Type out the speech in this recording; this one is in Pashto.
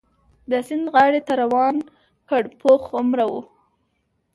د سیند غاړې ته روان کړ، پوخ عمره و.